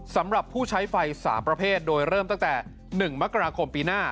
สำหรับผู้ใช้ไฟ๓ประเภทโดยเริ่มตั้งแต่๑มกราคมปีหน้า